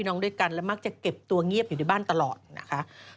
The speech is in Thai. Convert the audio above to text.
ซึ่งตอน๕โมง๔๕นะฮะทางหน่วยซิวได้มีการยุติการค้นหาที่